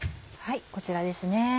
はいこちらですね。